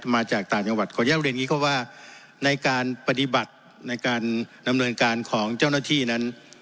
มาจากต่างจังหวัดก็ยังเรียกว่าในการปฏิบัติในการดำเนินการของเจ้าหน้าที่นั้น